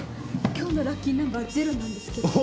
今日のラッキーナンバー０なんですけど。